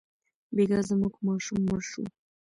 بېګا زموږ ماشوم مړ شو.